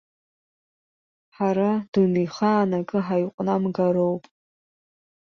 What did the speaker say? Ҳара дунеихаан акы ҳаиҟәнамгароуп.